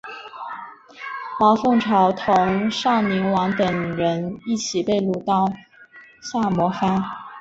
毛凤朝同尚宁王等人一起被掳到萨摩藩。